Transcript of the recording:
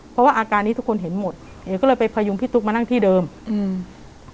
เพราะว่าอาการนี้ทุกคนเห็นหมดเอ๋ก็เลยไปพยุงพี่ตุ๊กมานั่งที่เดิมอืม